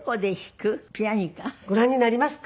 ご覧になりますか？